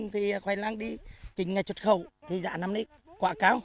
thì khoai lang đi chính là xuất khẩu thì giá năm nay quá cao